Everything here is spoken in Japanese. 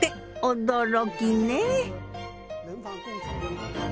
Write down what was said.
驚きね！